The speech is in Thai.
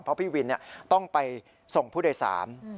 เพราะพี่วินต้องไปส่งพุทธวิทยาสถาสม